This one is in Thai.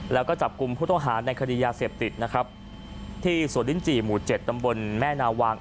แล้วก็จับกลุ่มผู้ต้องหาในคดียาเสพติดนะครับที่สวนลิ้นจี่หมู่เจ็ดตำบลแม่นาวาง